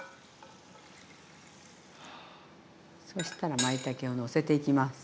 そしたらまいたけをのせていきます。